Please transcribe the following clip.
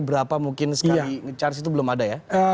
berapa mungkin sekali nge charge itu belum ada ya